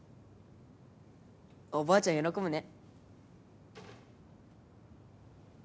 おばあちゃん喜ぶね。